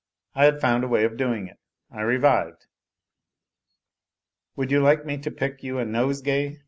I had found a way of doing it ; I revived. " Would you like me to pick you a nosegay